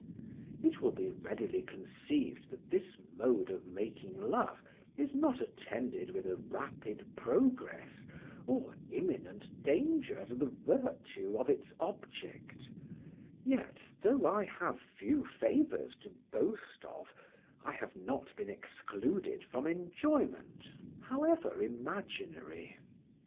It will be readily conceived that this mode of making love is not attended with a rapid progress or imminent danger to the virtue of its object; yet, though I have few favors to boast of, I have not been excluded from enjoyment, however imaginary.